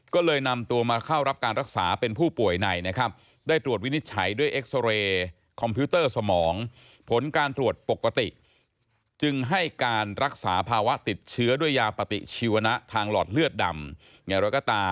ก็เลยนำตัวมาเข้ารับการรักษาเป็นผู้ป่วยในนะครับได้ตรวจวินิจฉัยด้วยเอ็กซอเรย์คอมพิวเตอร์สมองผลการตรวจปกติจึงให้การรักษาภาวะติดเชื้อด้วยยาปฏิชีวนะทางหลอดเลือดดำอย่างไร